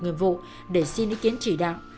nghiệm vụ để xin ý kiến chỉ đạo